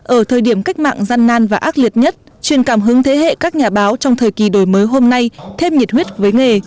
ở thời điểm cách mạng gian nan và ác liệt nhất truyền cảm hứng thế hệ các nhà báo trong thời kỳ đổi mới hôm nay thêm nhiệt huyết với nghề